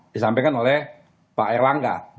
disampaikan oleh pak erlangga